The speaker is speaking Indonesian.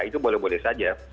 itu boleh boleh saja